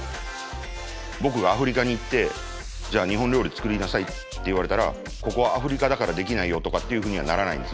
僕がアフリカに行ってじゃあ日本料理作りなさいって言われたらここはアフリカだからできないよとかっていうふうにはならないんです